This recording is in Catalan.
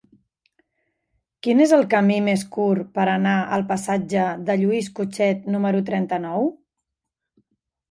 Quin és el camí més curt per anar al passatge de Lluís Cutchet número trenta-nou?